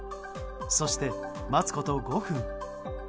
そして、待つこと５分。